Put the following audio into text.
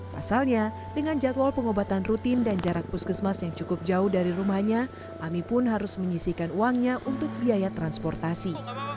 pasalnya dengan jadwal pengobatan rutin dan jarak puskesmas yang cukup jauh dari rumahnya ami pun harus menyisikan uangnya untuk biaya transportasi